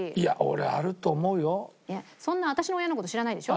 そんな私の親の事知らないでしょ？